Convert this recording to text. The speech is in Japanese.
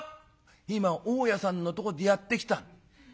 「今大家さんのとこでやってきた」。